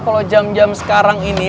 kalau jam jam sekarang ini